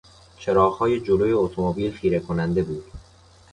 چراغهای جلو اتومبیل خیره کننده بود.